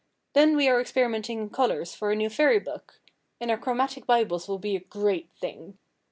Then we are experimenting in colors for a new fairy book; and our chromatic Bibles will be a great thing.